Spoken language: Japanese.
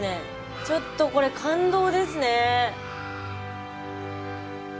ちょっとこれ感動ですね。